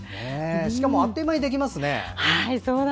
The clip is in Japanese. しかもあっという間にできますね。